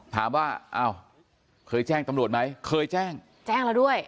ถามว่าอ้าวเคยแจ้งตำรวจไหมเคยแจ้งแจ้งแล้วด้วย